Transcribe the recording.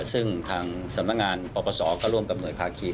ซึ่งทางสำนางานบอกประสอบก็ร่วมกับหน่วยภาคนิเคย